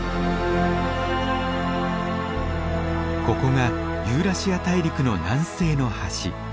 ここがユーラシア大陸の南西の端。